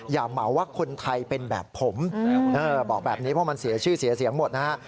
เหมาว่าคนไทยเป็นแบบผมบอกแบบนี้เพราะมันเสียชื่อเสียเสียงหมดนะฮะ